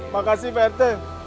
makasih pak rt